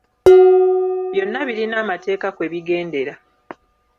Byonna birina amateeka kwe bigendera.